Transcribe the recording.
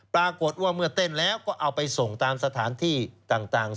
ปรากฏว่าเมื่อเต้นแล้วก็เอาไปส่งตามสถานที่ต่าง